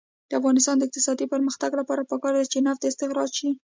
د افغانستان د اقتصادي پرمختګ لپاره پکار ده چې نفت استخراج شي.